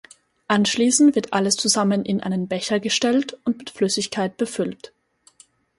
Anschließend wird alles zusammen in einen Becher gestellt und mit Flüssigkeit befüllt.